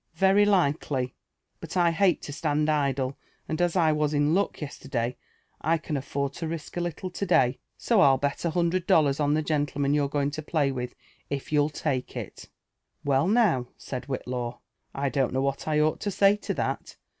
''Very likely; but I hale to stand idle, and a|t I was in luck yesterday, 1 can atTurd to risk a little to day ; so Til bet a hundred dollars on the gentleman you>e going to play wilb, if you 11 take it." "Well, now," said Whillaw, *' I don't know what I ought to say to that.